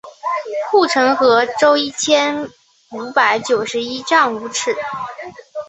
护城河周一千五百九十一丈五尺。